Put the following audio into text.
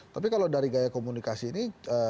tapi kalau dari gaya komunikasi ini